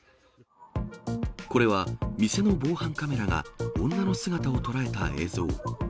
これは店の防犯カメラが女の姿を捉えた映像。